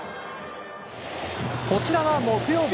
こちらは木曜日。